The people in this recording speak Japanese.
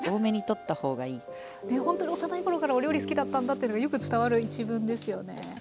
ほんとに幼い頃からお料理好きだったんだっていうのがよく伝わる一文ですよね。